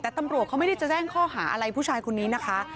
แต่ตำรวจเขาไม่ได้จะแจ้งข้อหาอะไรผู้ชายคนนี้นะคะ